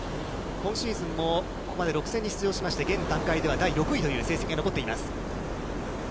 今シーズンもここまで６戦に出場しまして、現段階では第６位という成績が残っています。